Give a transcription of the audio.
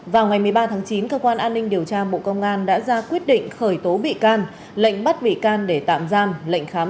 vào ngày một mươi ba tháng chín cơ quan an ninh điều tra bộ công an đã ra quyết định khởi tố bị can lệnh bắt bị can để tạm giam lệnh khám